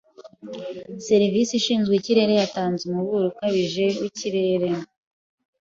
Serivisi ishinzwe ikirere yatanze umuburo ukabije w’ikirere.